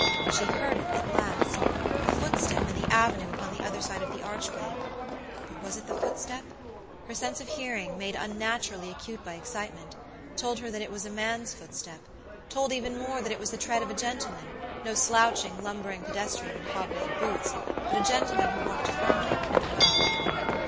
She heard it at last!a footstep in the avenue upon the other side of the archway. But was it the footstep? Her sense of hearing, made unnaturally acute by excitement, told her that it was a man's footsteptold even more, that it was the tread of a gentleman, no slouching, lumbering pedestrian in hobnailed boots, but a gentleman who walked firmly and well.